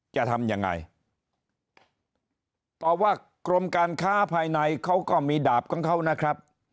จะทำยังไงต่อว่ากรมการค้าภายในเขาก็มีดาบของเขานะครับ